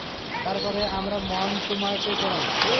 তারপরে আমরা মন্টমার্টে গেলাম।